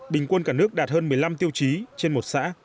bình quân cả nước đạt hơn một mươi năm tiêu chí trên một xã